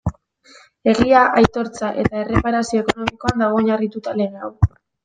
Egia, aitortza eta erreparazio ekonomikoan dago oinarrituta lege hau.